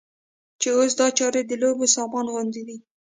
چې اوس دا چارې د لوبو سامان غوندې دي.